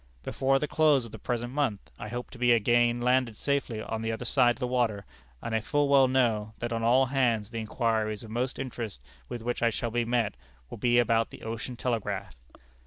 "Before the close of the present month, I hope to be again landed safely on the other side of the water, and I full well know, that on all hands the inquiries of most interest with which I shall be met, will be about the Ocean Telegraph.